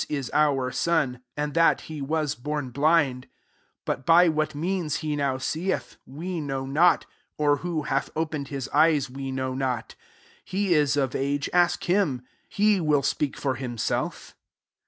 177 blbd : SI but by what means he now seeth, we know not; or who hath opened his eyes, we know not: he is of age; ask him: he will speak for himself.'